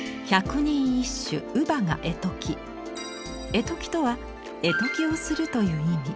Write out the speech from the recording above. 「ゑとき」とは「絵解き」をするという意味。